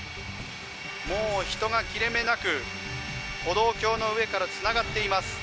もう、人が切れ目なく歩道橋の上からつながっています。